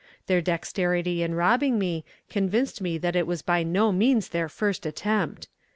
Their dexterity in robbing me, convinced me that it was by no means their first attempt."